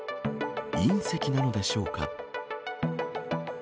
隕石なのでしょうか。